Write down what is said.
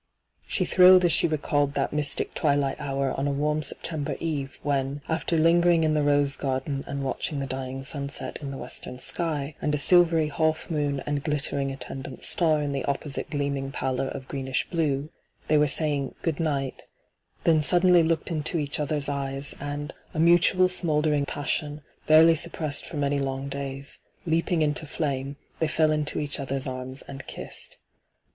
She tiuilled as she recalled that mystic twilight hour on a warm September eve when, after lingering in the rose garden and watching the dying sunset in the western sky, and a silvery half moon and glittering attendant star in the opposite gleaming pallor of greenish blue— they were saying 'good night' — then suddenly looked into each other's eyes, and, hyGoo^lc 1 6 ENTRAPPED a mutual smouldering paasioo, barely sup* pressed for many long days, leaping into flame, they fell into each other's arms and kissed.